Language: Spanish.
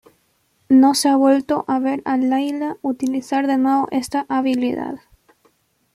No se ha vuelto a ver a Layla utilizar de nuevo esta habilidad.